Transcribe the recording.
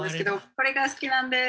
これが好きなんです。